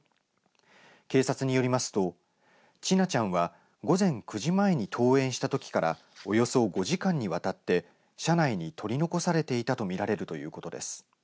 警察によりますと千奈ちゃんは午前９時前に登園したときからおよそ５時間にわたって車内に取り残されていたと見られるということです。